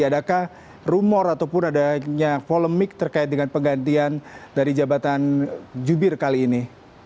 adakah rumor ataupun adanya polemik terkait dengan penggantian dari jabatan jubir kali ini